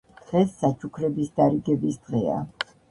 დღეს საჩუქრების დარიგების დღეა